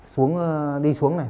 xuống đi xuống này